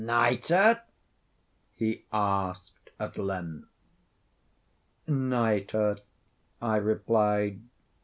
"Nitre?" he asked, at length. "Nitre," I replied.